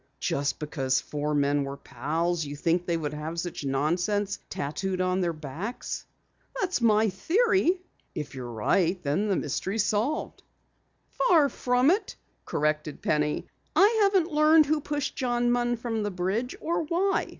"Just because four men were pals, you think they would have such nonsense tattooed on their backs?" "That's my theory." "If you're right, then the mystery is solved." "Far from it," corrected Penny. "I haven't learned who pushed John Munn from the bridge or why.